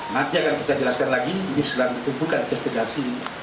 nanti akan kita jelaskan lagi ini bukan investigasi